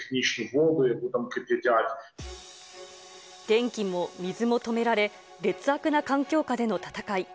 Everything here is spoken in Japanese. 電気も水も止められ、劣悪な環境下での戦い。